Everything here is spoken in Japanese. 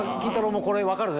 もこれ分かるの？